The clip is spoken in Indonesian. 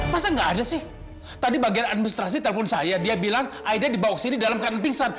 masa nggak ada sih tadi bagian administrasi telpon saya dia bilang ayah dibawa ke sini dalam keadaan pingsan